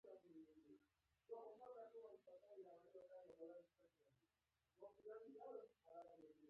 له روسيې سره د شمالي کوریا په څیر چلند وکړي.